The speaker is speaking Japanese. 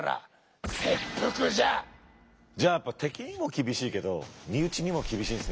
じゃあ敵にも厳しいけど身内にも厳しいんですね。